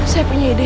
saya punya ide